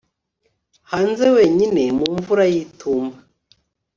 Hanze wenyine mu mvura yitumba